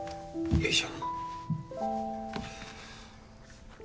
よいしょ。